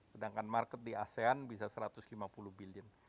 sedangkan market di asean bisa satu ratus lima puluh billion